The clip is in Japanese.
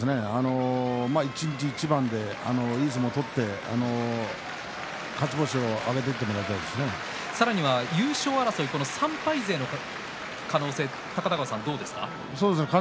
一日一番いい相撲を取って勝ち星をさらには優勝争い３敗勢の可能性、高田川さんどうですか。